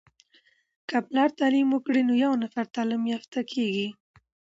که پلار تعليم وکړی نو یو نفر تعليم يافته کیږي.